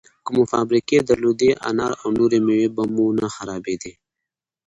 که مو فابریکې درلودی، انار او نورې مېوې به مو نه خرابېدې!